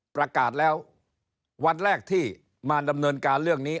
ประกาศแล้ววันแรกที่มาดำเนินการเรื่องนี้